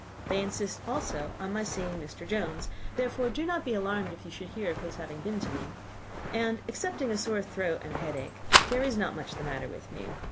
They insist also on my seeing Mr. Jones therefore do not be alarmed if you should hear of his having been to me and, excepting a sore throat and a headache, there is not much the matter with me.